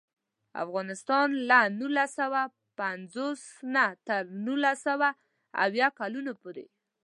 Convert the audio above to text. افغانستان له نولس سوه پنځوس نه تر نولس سوه اویا کلونو پورې.